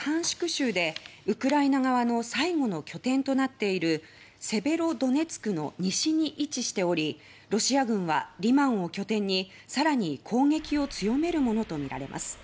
州でウクライナ側の最後の拠点となっているセベロドネツクの西に位置しておりロシア軍は、リマンを拠点に更に攻撃を強めるものとみられます。